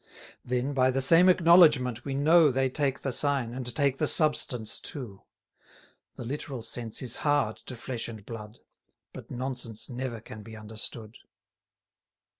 Then, by the same acknowledgment, we know They take the sign, and take the substance too. The literal sense is hard to flesh and blood, But nonsense never can be understood.